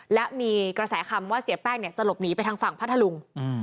และมีกระแสคำว่าเสียแป้งเนี่ยจะหลบหนีไปทางฝั่งพัทธลุง